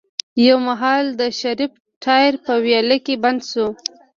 يو مهال د شريف ټاير په ويالې کې بند شو.